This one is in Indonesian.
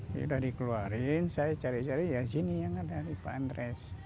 jadi udah dikeluarin saya cari cari yang sini yang ada di pak andres